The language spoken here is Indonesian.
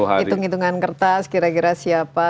hitung hitungan kertas kira kira siapa